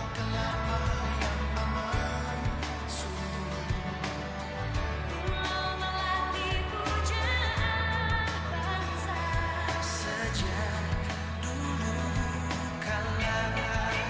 dan kepala cu empat a angkatan bersenjata singapura